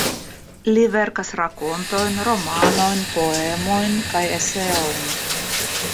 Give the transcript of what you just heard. Li verkas rakontojn, romanojn, poemojn kaj eseojn.